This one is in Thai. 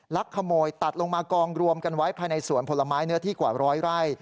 ลักขโมยตัดลงมากองรวมกันไว้ภายในสวนผลไม้เนื้อที่กว่าร้อยไร่